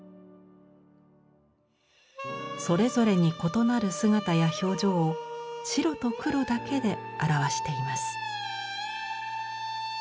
それぞれに異なる姿や表情を白と黒だけで表しています。